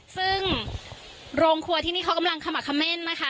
ซึ่งโรงครัวที่นี่เขากำลังขมักเม่นนะคะ